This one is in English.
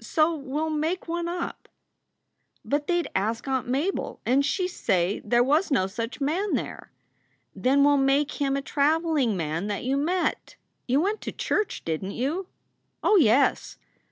So we ll make one up." "But they d ask Aunt Mabel, and she d say there was no such man there." "Then we ll make him a traveling man that you met. You went to church, didn t you?" "Oh yes!"